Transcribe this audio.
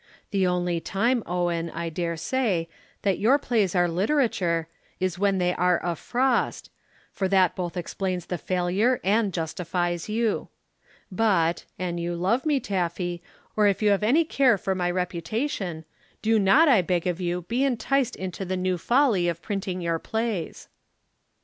The only time, Owen, I dare say, that your plays are literature is when they are a frost, for that both explains the failure and justifies you. But, an you love me, Taffy, or if you have any care for my reputation, do not, I beg of you, be enticed into the new folly of printing your plays."